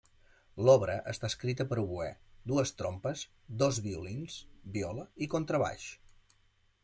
L'obra està escrita per a oboè, dues trompes, dos violins, viola i contrabaix.